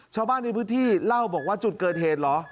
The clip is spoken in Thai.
ชาวบ้านในพื้นที่เล่าบอกว่าจุดเกิดเหตุเหรอ